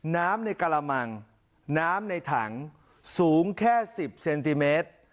น้ำในกระมังน้ำในถังสูงแค่๑๐เซนติเมตร